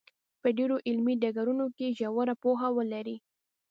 په ډېرو علمي ډګرونو کې ژوره پوهه ولري.